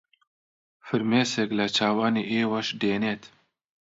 فرمێسک لە چاوانی ئێوەش دێنێت